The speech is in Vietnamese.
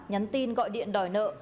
nhắn tin gọi điện đòi nợ